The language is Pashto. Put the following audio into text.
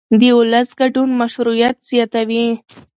د ولس ګډون مشروعیت زیاتوي